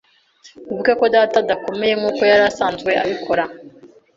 Wibuke ko Data adakomeye nkuko yari asanzwe abikora.